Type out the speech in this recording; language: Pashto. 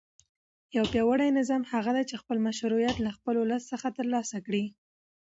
یو پیاوړی نظام هغه دی چې خپل مشروعیت له خپل ولس څخه ترلاسه کړي.